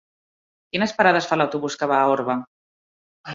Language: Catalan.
Quines parades fa l'autobús que va a Orba?